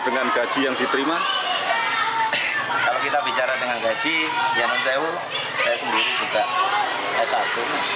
tapi alhamdulillah di samping saya mengajar